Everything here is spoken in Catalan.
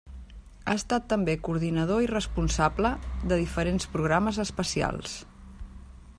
Ha estat també coordinador i responsable de diferents programes especials.